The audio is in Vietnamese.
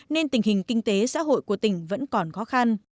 nên tình hình kinh tế xã hội của tỉnh vẫn còn khó khăn